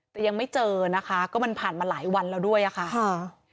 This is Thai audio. แต่ยังไม่เจอนะคะก็มันผ่านมาหลายวันแล้วด้วยอะค่ะ